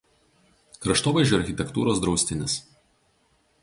Kraštovaizdžio architektūros draustinis.